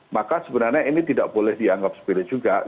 maka sebenarnya ini tidak boleh dianggap sepilih juga